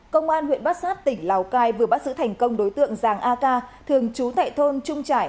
công an huyện bát sát tỉnh lào cai vừa bắt giữ thành công đối tượng giàng a ca thường trú tại thôn trung trải